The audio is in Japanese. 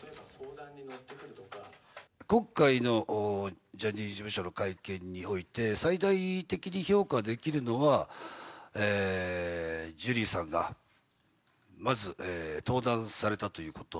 今回のジャニーズ事務所の会見において、最大的に評価できるのは、ジュリーさんが、まず登壇されたということ。